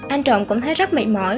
anh trọng cũng thấy rất mệt mỏi